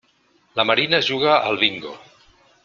La Marina juga al bingo.